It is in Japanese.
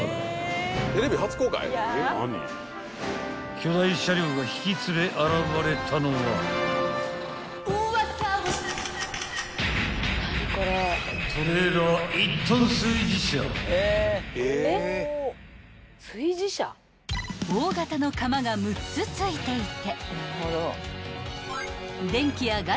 ［巨大車両が引き連れ現れたのは］［大形の釜が６つ付いていて］